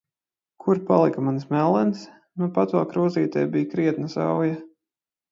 Kur palika manas mellenes?! Nupat vēl krūzītē bija krietna sauja!